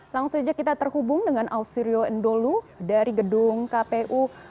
langsung saja kita terhubung dengan ausirio endolu dari gedung kpu